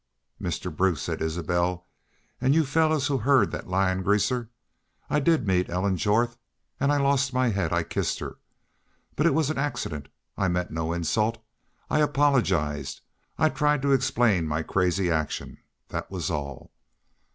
"'Mister Bruce,' said Isbel, 'an' you fellars who heerd thet lyin' greaser, I did meet Ellen Jorth. An' I lost my head. I 'I kissed her.... But it was an accident. I meant no insult. I apologized I tried to explain my crazy action.... Thet was all.